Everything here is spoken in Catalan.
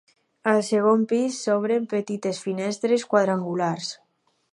Al segon pis s'obren petites finestres quadrangulars.